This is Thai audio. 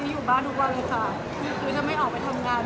อยู่บ้านทุกวันค่ะ